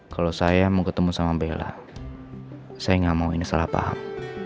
kalau saya mau ketemu sama bella saya nggak mau ini salah paham